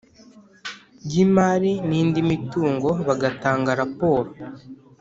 y imari n indi mitungo bagatanga raporo